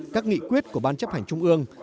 các nghị quyết của ban chấp hành trung ương